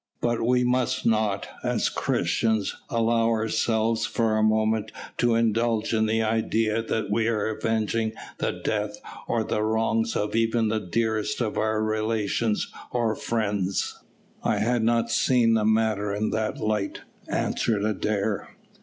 But we must not, as Christians, allow ourselves for a moment to indulge in the idea that we are avenging the death or the wrongs of even the dearest of our relations or friends." "I had not seen the matter in that light," answered Adair.